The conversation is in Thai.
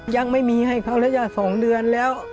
ยังไม่มีให้เขาของสองเดือนแล้ว